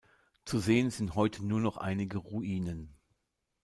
Zu sehen sind heute nur noch einige Ruinen.